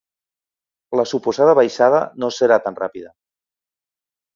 La suposada baixada no serà tan ràpida.